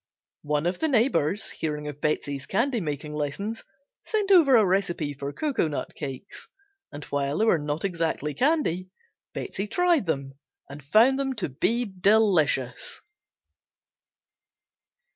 One of the neighbors, hearing of Betsey's candy making lessons, sent over a recipe for "Cocoanut Cakes," and while they were not exactly candy, Betsey tried them and found them to be delicious.